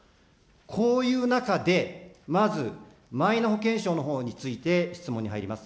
こういう中で、まず、マイナ保険証のほうについて質問に入ります。